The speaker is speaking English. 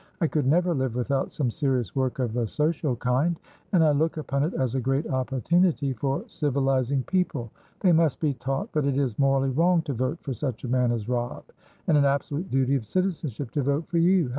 I could never live without some serious work of the social kind, and I look upon it as a great opportunity for civilising people. They must be taught that it is morally wrong to vote for such a man as Robb, and an absolute duty of citizenship to vote for you.